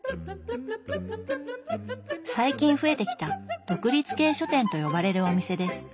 最近増えてきた「独立系書店」と呼ばれるお店です。